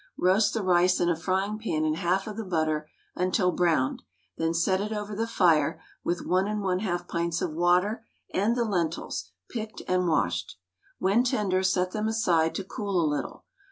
Roast the rice in a frying pan in half of the butter until browned; then set it over the fire with 1 1/2 pints of water and the lentils, picked and washed. When tender set them aside to cool a little.